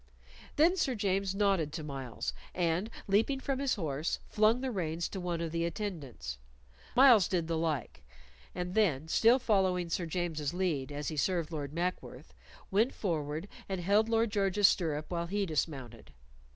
Then Sir James nodded to Myles, and leaping from his horse, flung the reins to one of the attendants. Myles did the like; and then, still following Sir James's lead as he served Lord Mackworth, went forward and held Lord George's stirrup while he dismounted.